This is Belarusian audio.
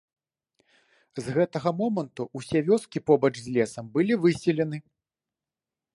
З гэтага моманту ўсе вёскі побач з лесам былі выселены.